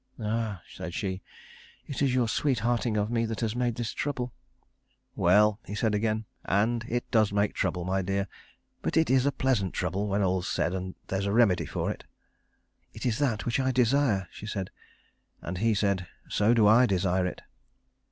"Ah," said she, "it is your sweethearting of me that has made this trouble." "Well," he said again, "and it does make trouble, my dear; but it is a pleasant trouble when all's said; and there's a remedy for it." "It is that which I desire," she said, and he said, "So do I desire it."